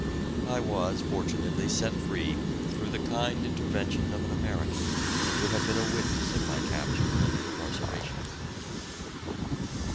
I was fortunately set free through the kind intervention of an American who had been a witness of my capture and incarceration.